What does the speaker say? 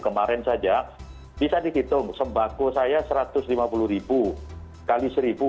kemarin saja bisa dihitung sembako saya satu ratus lima puluh ribu kali seribu